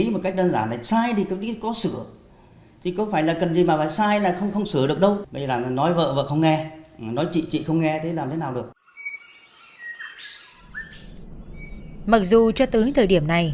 mặc dù cho tới thời điểm này